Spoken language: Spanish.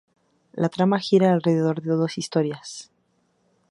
La trama gira alrededor de dos historias.